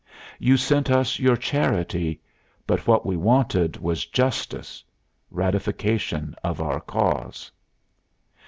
You sent us your charity; but what we wanted was justice, ratification of our cause."